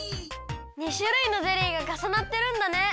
２しゅるいのゼリーがかさなってるんだね。